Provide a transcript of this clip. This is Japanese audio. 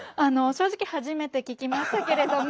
正直初めて聞きましたけれども。